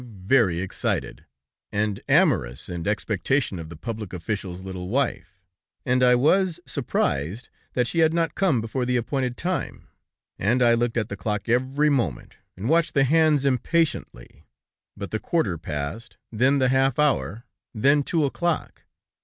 very excited, and amorous in expectation of the public official's little wife, and I was surprised that she had not come before the appointed time, and I looked at the clock every moment, and watched the hands impatiently, but the quarter past, then the half hour, then two o'clock.